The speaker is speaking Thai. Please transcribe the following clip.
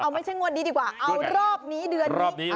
ไม่ใช่งวดนี้ดีกว่าเอารอบนี้เดือนนี้